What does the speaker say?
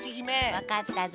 わかったぞ。